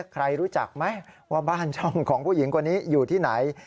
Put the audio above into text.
ใครรู้จักไหมว่าบ้านช่องของผู้หญิงคนนี้อยู่ที่ไหน